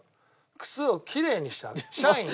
靴をきれいにしちゃう。